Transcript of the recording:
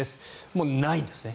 もうないんですね。